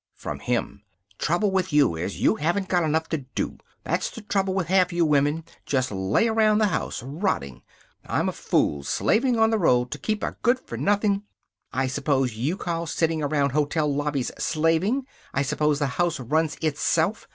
From him: "Trouble with you is you haven't got enough to do. That's the trouble with half you women. Just lay around the house, rotting. I'm a fool, slaving on the road to keep a good for nothing " "I suppose you call sitting around hotel lobbies slaving! I suppose the house runs itself!